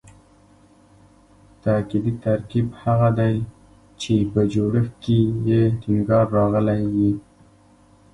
تاکیدي ترکیب هغه دﺉ، چي په جوړښت کښي ئې ټینګار راغلی یي.